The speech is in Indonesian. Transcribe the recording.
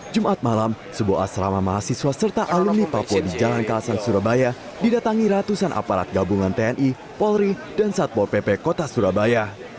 jumat malam sebuah asrama mahasiswa serta alumni papua di jalan kalasan surabaya didatangi ratusan aparat gabungan tni polri dan satpol pp kota surabaya